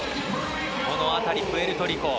この辺り、プエルトリコ。